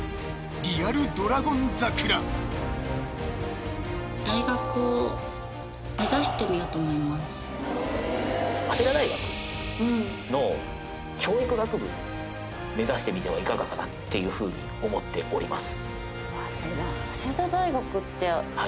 リアル「ドラゴン桜」思います目指してみてはいかがかなっていうふうに思っております